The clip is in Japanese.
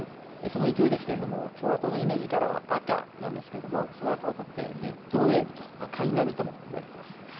その勢いですけれども、共和党のイメージカラー、赤なんですけれども、その赤を取って、レッドウェーブと、赤い波とも言われています。